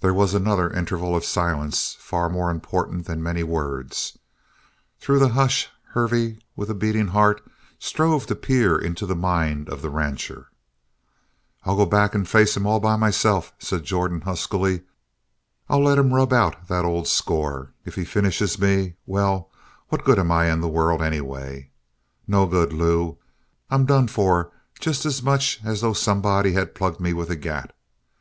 There was another interval of silence, far more important than many words. Through the hush Hervey, with a beating heart, strove to peer into the mind of the rancher. "I'll go back and face him all by myself," said Jordan huskily. "I'll let him rub out that old score. If he finishes me well, what good am I in the world, anyway? No good, Lew. I'm done for just as much as though somebody had plugged me with a gat.